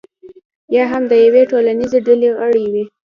یا هم د یوې ټولنیزې ډلې غړی وي.